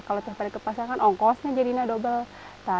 kalau tiap hari ke pasar kan ongkosnya jadinya double